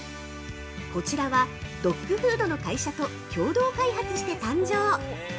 ◆こちらはドッグフードの会社と共同開発して誕生。